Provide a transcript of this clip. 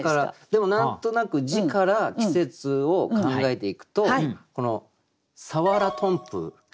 でも何となく字から季節を考えていくとこの「さわらとんぷう」？